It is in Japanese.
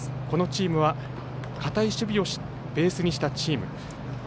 このチームは堅い守備をベースにしたチーム。